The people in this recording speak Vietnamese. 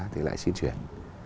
thì lại xin chuyển